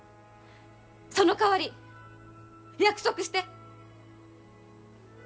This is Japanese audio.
そのかわり、約束して！